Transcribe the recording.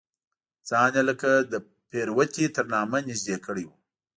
ځان یې لکه د پروتې تر نامه نږدې کړی و.